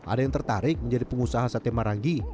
ada yang tertarik menjadi pengusaha sate marangi